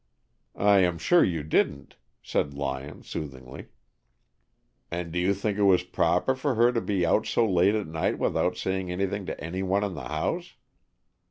"I am sure you didn't," said Lyon, soothingly. "And do you think it was proper for her to be out so late at night without saying anything to anyone in the house?"